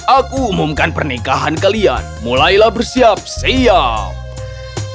aku umumkan pernikahan kalian mulailah bersiap siap